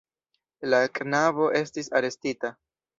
La knabo estis arestita.